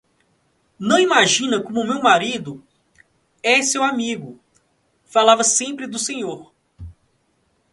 Não imagina como meu marido é seu amigo, falava sempre do senhor.